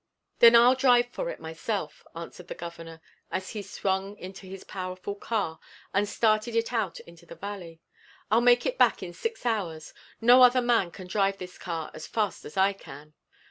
"Then I'll drive for it myself," answered the Governor, as he swung into his powerful car and started it out into the valley. "I'll make it back in six hours. No other man can drive this car as fast as I can."